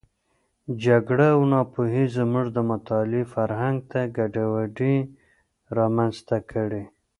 جګړه او ناپوهي زموږ د مطالعې فرهنګ ته ګډوډي رامنځته کړې.